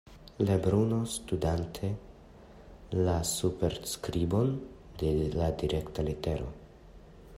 Lebruno, studante la superskribon de la dirita letero.